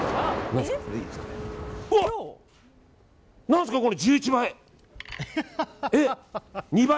何ですか、これ１１倍？